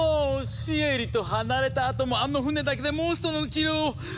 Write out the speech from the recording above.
シエリと離れたあともあの船だけでモンストロの治療をしてるじゃないの。